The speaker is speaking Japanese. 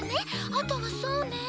あとはそうねぇ。